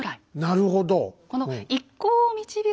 なるほど。